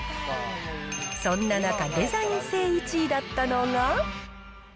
そんな中、デザイン性１位だったのが。